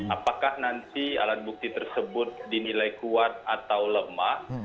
apakah nanti alat bukti tersebut dinilai kuat atau lemah